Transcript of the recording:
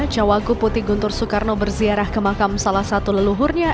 cawagup putih guntur soekarno berziarah ke makam salah satu leluhurnya